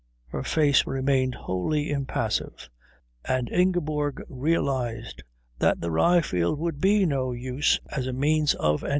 Her face remained wholly impassive; and Ingeborg realized that the rye field would be no use as a means of entertainment.